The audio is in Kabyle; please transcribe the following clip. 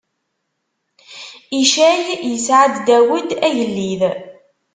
Icay isɛa-d Dawed, agellid.